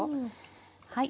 はい。